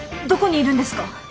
どこにいるんですか？